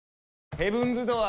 ヘブンズ・ドアー！